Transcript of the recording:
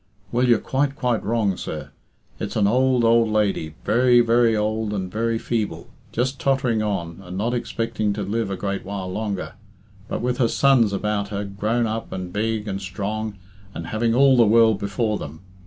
Well, you're quite, quite wrong, sir. It's an old, old lady, very, very old, and very feeble, just tottering on, and not expecting to live a great while longer, but with her sons about her, grown up, and big, and strong, and having all the world before them.